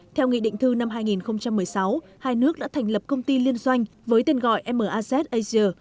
theo nghị định thư năm hai nghìn một mươi sáu hai nước đã thành lập công ty liên doanh với tên gọi maz asia